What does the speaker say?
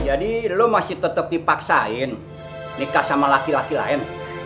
jadi lo masih tetep dipaksain nikah sama laki laki lain